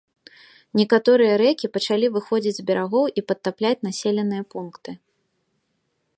Некаторыя рэкі пачалі выходзіць з берагоў і падтапляць населеныя пункты.